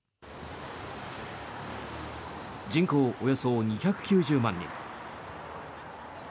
人口およそ２９０万人。